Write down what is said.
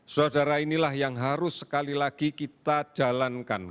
saudara saudara inilah yang harus sekali lagi kita jalankan